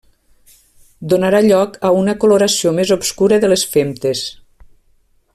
Donarà lloc a una coloració més obscura de les femtes.